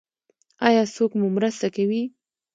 ایا څوک مو مرسته کوي؟